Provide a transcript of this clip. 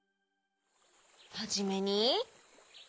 はじめに。